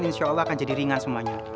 insya allah akan jadi ringan semuanya